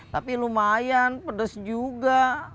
tapi lumayan pedes juga